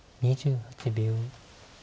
２８秒。